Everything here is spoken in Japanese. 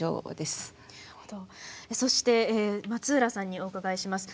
そして松浦さんにお伺いします。